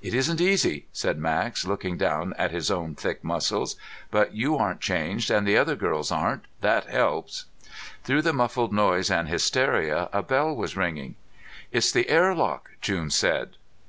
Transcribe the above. "It isn't easy," said Max, looking down at his own thick muscles. "But you aren't changed and the other girls aren't. That helps." Through the muffled noise and hysteria, a bell was ringing. "It's the airlock," June said.